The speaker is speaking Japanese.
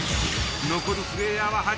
残るプレイヤーは８名。